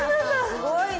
すごいね。